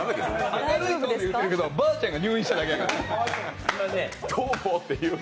明るいトーンで言ってるけどばあちゃんが入院しただけだから。